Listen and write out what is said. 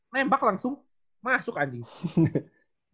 nembak langsung masuk anjing